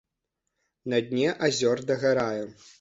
На дне азёр дагарае.